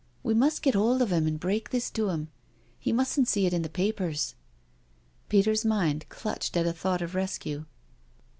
" We must get hold of him and break this to him— he mustn't see it in the papers." Peter's mind clutched at a thought of rescue.